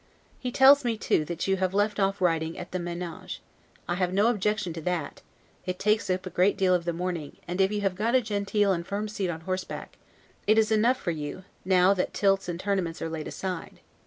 He tells me too, that you have left off riding at the 'manege'; I have no objection to that, it takes up a great deal of the morning; and if you have got a genteel and firm seat on horseback, it is enough for you, now that tilts and tournaments are laid aside.